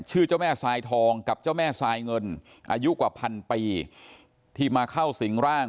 เจ้าแม่ทรายทองกับเจ้าแม่ทรายเงินอายุกว่าพันปีที่มาเข้าสิงร่าง